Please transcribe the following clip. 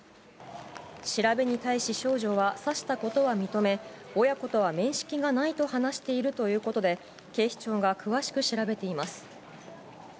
調べに対し少女は、刺したことは認め、親子とは面識がないと話しているということで、警視庁が詳しく調べています。